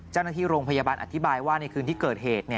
เจ้าหน้าที่โรงพยาบาลอธิบายว่าในคืนที่เกิดเหตุ